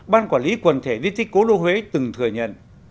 ban quản lý quần thể di tích cố đô huế từng thừa nhận